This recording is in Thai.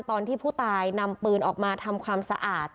ตอนที่ผู้ตายนำปืนออกมาทำความสะอาด